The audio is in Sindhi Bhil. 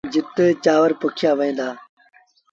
جت چآور پوکيآ وهيٚتآ۔